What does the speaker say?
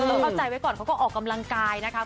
เข้าใจไว้ก่อนเขาก็ออกกำลังกายนะคะ